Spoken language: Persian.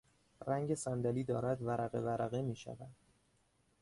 رنگ صندلی دارد ورقه ورقه میشود.